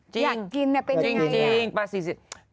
จริงจริงปลา๔๗พิโรห์ละหลักพันอยากกินนะเป็นไง